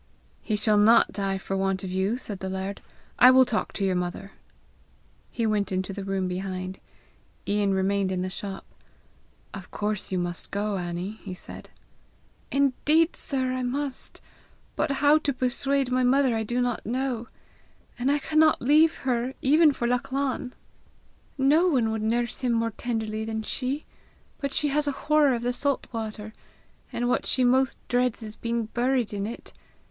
"He shall not die for want of you!" said the laird. "I will talk to your mother." He went into the room behind. Ian remained in the shop. "Of course you must go, Annie!" he said. "Indeed, sir, I must! But how to persuade my mother I do not know! And I cannot leave her even for Lachlan. No one would nurse him more tenderly than she; but she has a horror of the salt water, and what she most dreads is being buried in it.